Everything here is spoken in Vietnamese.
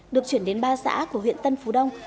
được chuyển đến ba xã của huyện tân phú đông